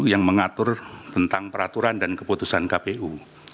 yang mengatur tentang peraturan dan keputusan kpu